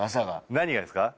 何がですか？